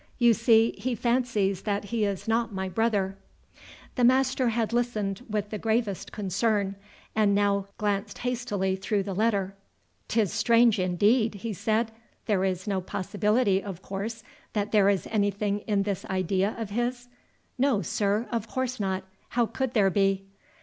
You see, he fancies that he is not my brother." The master had listened with the gravest concern, and now glanced hastily through the letter. "'Tis strange indeed," he said. "There is no possibility, of course, that there is anything in this idea of his?" "No, sir, of course not. How could there be?"